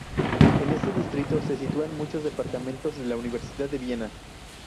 En este distrito se sitúan muchos departamentos de la Universidad de Viena.